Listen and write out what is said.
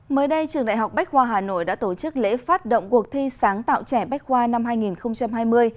mới đây trường đại học bách khoa hà nội đã tổ chức lễ phát động cuộc thi sáng tạo trẻ bách khoa năm hai nghìn hai mươi